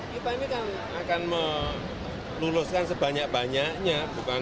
kita ini kan akan meluluskan sebanyak banyaknya